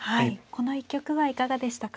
この一局はいかがでしたか。